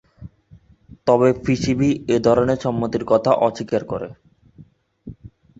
তবে পিসিবি এ ধরনের সম্মতির কথা অস্বীকার করে।